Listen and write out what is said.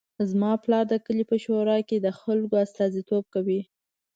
زما پلار د کلي په شورا کې د خلکو استازیتوب کوي